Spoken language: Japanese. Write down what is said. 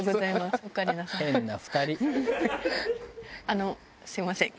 あのすみません。